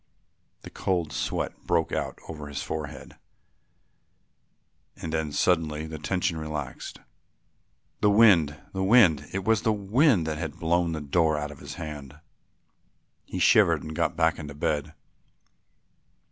The cold sweat broke out on his forehead and then suddenly the tension relaxed, "The wind, the wind; it was the wind that had blown the door out of his hand." He shivered and got back into bed.